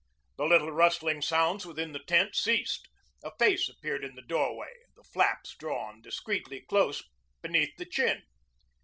The little rustling sounds within the tent ceased. A face appeared in the doorway, the flaps drawn discreetly close beneath the chin.